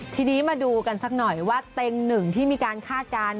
ทีนี้มาดูกันสักหน่อยว่าเต็งหนึ่งที่มีการคาดการณ์